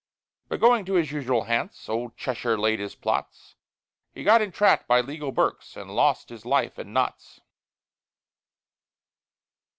But going to his usual Hants, Old Cheshire laid his plots: He got entrapp'd by legal Berks, And lost his life in Notts.